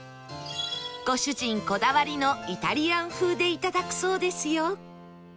ご主人こだわりのイタリアン風でいただくそうですよ